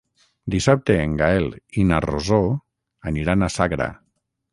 Dissabte en Gaël i na Rosó aniran a Sagra.